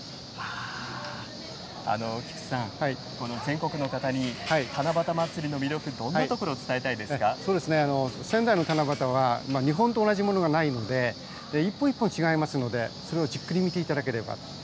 菊地さん、全国の方に七夕まつりの魅力、どんなところを伝えたい仙台の七夕は、二本と同じものはないんで、一本一本違いますので、それをじっくり見ていただければ。